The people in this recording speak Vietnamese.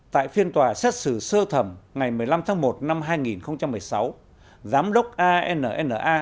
tại phiên tòa xét xử sơ thẩm ngày một mươi năm tháng một năm hai nghìn một mươi sáu giám đốc anna